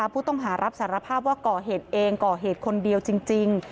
ผู้ต้องหารับสารภาพว่าก่อเหตุเองก่อเหตุคนเดียวจริง